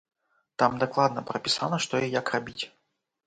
Там дакладна прапісана, што і як рабіць.